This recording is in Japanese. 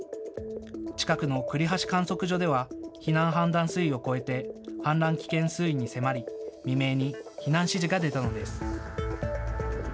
近くの栗橋観測所では避難判断水位を超えて氾濫危険水位に迫り未明に避難指示が出たのです。